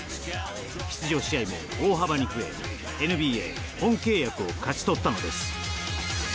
出場試合も大幅に増えＮＢＡ本契約を勝ち取ったのです。